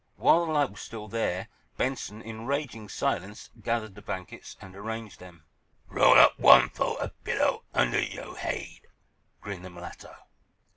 While the light was still there Benson, in raging silence, gathered the blankets and arranged them. "Roll up one fo' a pillow, under yo' haid," grinned the mulatto.